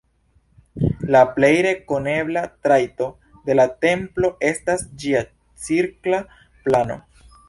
La plej rekonebla trajto de la templo estas ĝia cirkla plano.